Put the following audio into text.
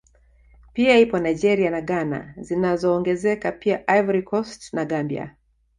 Pia ipo Nigeria na Ghana zinaongezeka pia Ivory Cost na Gambia